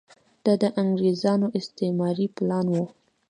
دا د انګریزانو استعماري پلان و.